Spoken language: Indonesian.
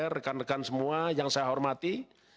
rekan rekan semua yang saya hormati